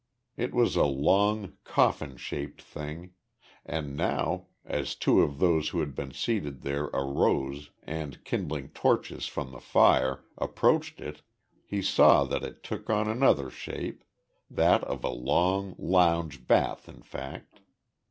It was a long, coffin shaped thing, and now, as two of those who had been seated there arose, and, kindling torches from the fire, approached it, he saw that it took on another shape, that of a long, lounge bath in fact.